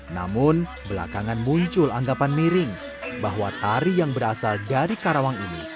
namun belakangan muncul anggapan miring bahwa tari yang berasal dari karawang ini